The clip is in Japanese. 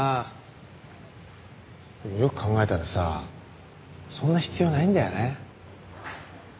でもよく考えたらさそんな必要ないんだよね。